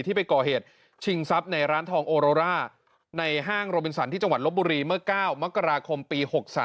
ไปก่อเหตุชิงทรัพย์ในร้านทองโอโรร่าในห้างโรบินสันที่จังหวัดลบบุรีเมื่อ๙มกราคมปี๖๓